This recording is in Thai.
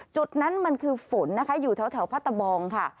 จุดนั้นมันคือฝนนะคะอยู่แถวพระตะบองค่ะ